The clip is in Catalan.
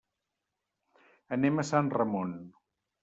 Anem a Sant Ramon.